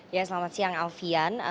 ya selamat siang alfian